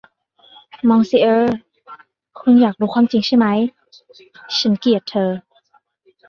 มองซิเออร์ คุณอยากรู้ความจริงใช่ไหม ฉันเกลียดเธอ